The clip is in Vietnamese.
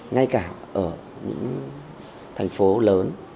ngay cả ở những thành phố lớn